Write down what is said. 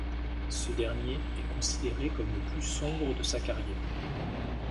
Ce dernier est considéré comme le plus sombre de sa carrière.